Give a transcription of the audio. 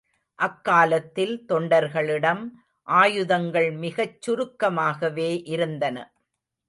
அக்காலத்தில் தொண்டர்களிடம் ஆயுதங்கள் மிகச் சுருக்கமாகவே இருந்தன.